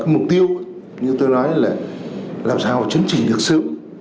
mục tiêu là làm sao chấn trình được xử